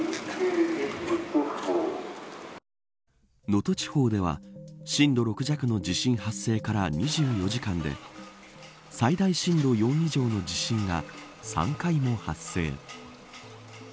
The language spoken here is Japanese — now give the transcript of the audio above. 能登地方では震度６弱の地震発生から２４時間で最大震度４以上の地震が３回も発生。